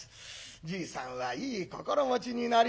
じいさんはいい心持ちになりまして。